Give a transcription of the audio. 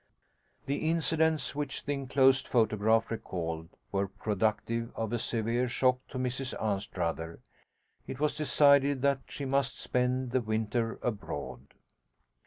The incidents which the 'enclosed photograph' recalled were productive of a severe shock to Mrs Anstruther. It was decided that she must spend the winter abroad.